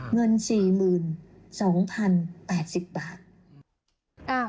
เงิน๔๒๐๘๐บาท